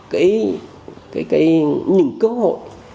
cái cái cái những cơ hội